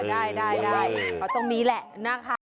ได้เขาตรงนี้แหละนะคะ